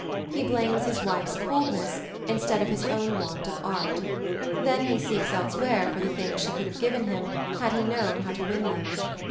He blames his wife's " coldness " instead of his own want of art. Then he seeks elsewhere for the things she could have given him had he known how to win them.